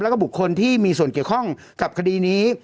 แล้วก็บุคคลที่มีส่วนเกี่ยวข้องกับคดีนี้